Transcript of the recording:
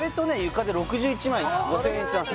床で６１５０００円いってます